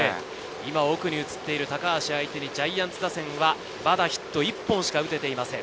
奥に映ってる高橋相手にジャイアンツ打線はヒット１本しか打てていません。